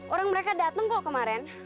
orang mereka datang kok kemarin